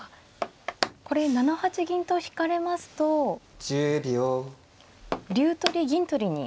これ７八銀と引かれますと竜取り銀取りに。